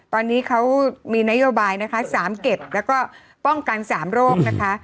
ตอนนี้เขามีนโยบายนะคะ๓เก็บแล้วก็ป้องกัน๓โรคนะคะ